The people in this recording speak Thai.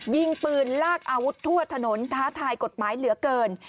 ยิงปืนลากอาวุธทั่วถนนท้าทายกฎหมายเหลือเกิน